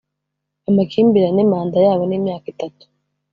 amakimbirane manda yabo ni imyaka itatu